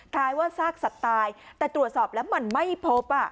คล้ายว่าซากสัตว์ตายแต่ตรวจสอบแล้วมันไม่พบ